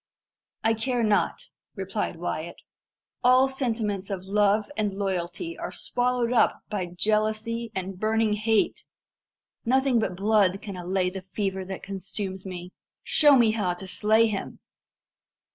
"I care not," replied Wyat. "All sentiments of love and loyalty are swallowed up by jealousy and burning hate. Nothing but blood can allay the fever that consumes me. Show me how to slay him!"